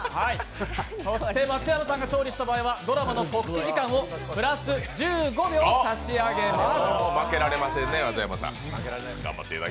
松山さんが勝利した場合はドラマの告知時間をプラス１５秒差し上げます。